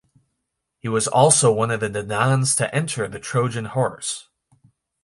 He was also one of the Danaans to enter the Trojan Horse.